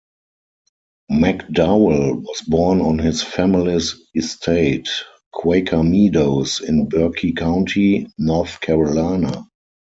McDowell was born on his family's estate, "Quaker Meadows", in Burke County, North Carolina.